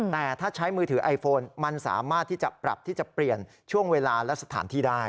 แต่ถ้าใช้มือถือไอโฟนมันสามารถที่จะปรับที่จะเปลี่ยนช่วงเวลาและสถานที่ได้